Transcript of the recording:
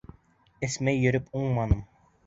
Эсмәй йөрөп уңманым.